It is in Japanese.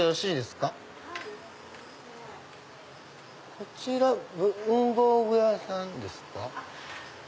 こちら文房具屋さんですか？